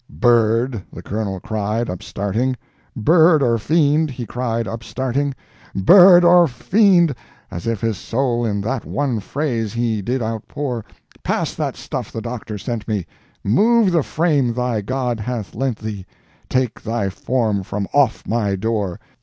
"Bird," the Colonel cried, upstarting. "Bird or fiend," he cried, upstarting. "Bird or fiend!" as if his soul in that one phrase he did outpour: "Pass that stuff the Doctor sent me—move the frame thy God hath lent thee—take thy form from off my door.